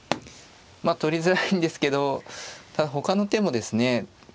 まあ取りづらいんですけどただほかの手もですね